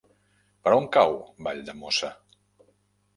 Per on cau Valldemossa?